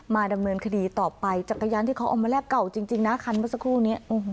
ดำเนินคดีต่อไปจักรยานที่เขาเอามาแลกเก่าจริงนะคันเมื่อสักครู่นี้